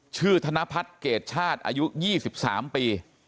ธนพัฒน์เกรดชาติอายุ๒๓ปี